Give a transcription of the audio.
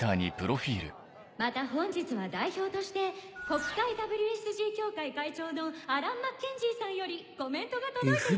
また本日は代表として国際ＷＳＧ協会会長のアラン・マッケンジーさんよりコメントが届いています。